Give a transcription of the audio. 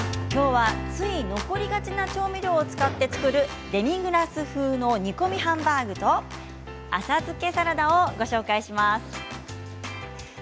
きょうはつい残りがちな調味料を使って作るデミグラス風の煮込みハンバーグと、浅漬けサラダをご紹介します。